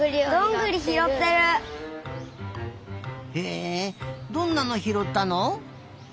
へえどんなのひろったの？